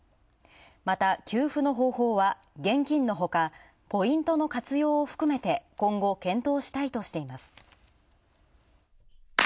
また給付の方法は現金のほか、ポイントの活用を含めて今後検討したいとしています。